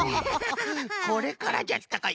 これからじゃったか。